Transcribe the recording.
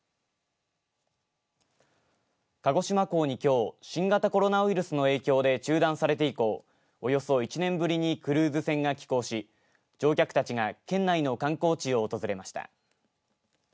鹿児島港に、きょう新型コロナウイルスの影響で中断されて以降、およそ１年ぶりにクルーズ船が寄港し乗客たちが県内の観光地を訪れました。